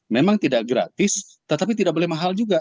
memang tidak gratis tetapi tidak boleh mahal juga